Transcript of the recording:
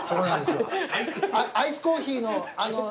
アイスコーヒーのあのう。